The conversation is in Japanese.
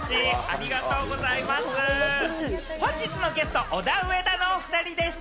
本日のゲスト、オダウエダのお二人でした。